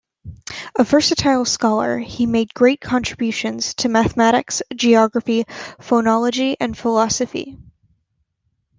A versatile scholar, he made great contributions to mathematics, geography, phonology and philosophy.